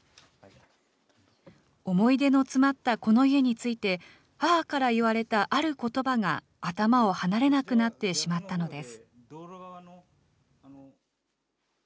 思い出の詰まったこの家について、母から言われたあることばが頭を離れなくなってしまったのです。